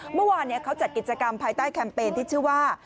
เมื่อวานเขาจัดกิจกรรมภายใต้แคมเปญที่ชื่อว่า